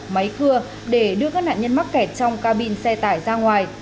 máy cưa để đưa các nạn nhân mắc kẹt trong ca bin xe tải ra ngoài